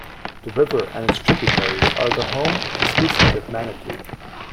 The river and its tributaries are the home to species of manatee.